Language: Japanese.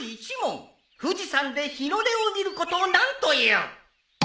富士山で日の出を見ることを何という？